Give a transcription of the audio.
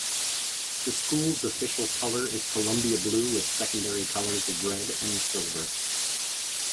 The school's official color is Columbia blue with secondary colors of red and silver.